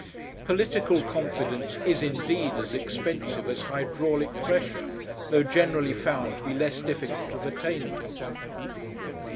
Political confidence is indeed as expensive as hydraulic pressure, though generally found to be less difficult of attainment.